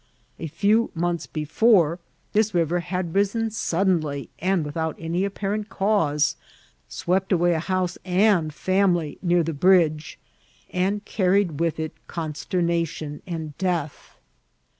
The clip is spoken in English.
A few months before, this river had risen suddenly and without any apparent cause, swept away a house and family near the bridge, and carried with it consternation and death.